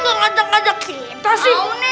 gak ngajak ngajak kita sih